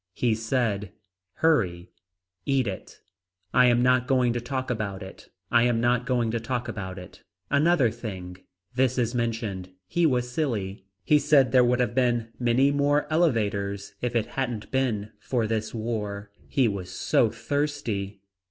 He said. Hurry. Eat it. I am not going to talk about it. I am not going to talk about it. Another thing. This is mentioned. He was silly. He said there would have been many more elevators if it hadn't been for this war. He was so thirsty.